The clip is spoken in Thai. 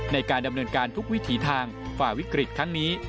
ในการดำเนินการทุกวิถีทางฝ่าวิกฤตครั้งนี้